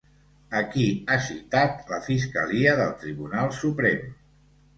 A qui ha citat la Fiscalia del Tribunal Suprem?